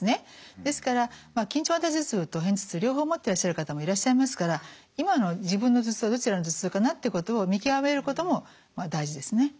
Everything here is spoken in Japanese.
ですから緊張型頭痛と片頭痛両方持ってらっしゃる方もいらっしゃいますから今の自分の頭痛はどちらの頭痛かなってことを見極めることも大事ですね。